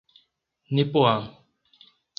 Nipoã